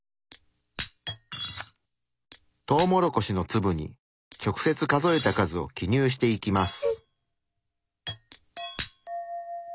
トウモロコシの粒に直接数えた数を記入していきます。